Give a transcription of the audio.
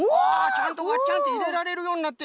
ちゃんとガッチャンっていれられるようになってる。